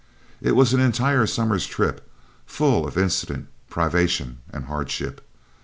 It was an entire summer's trip, full of incident, privation, and hardship.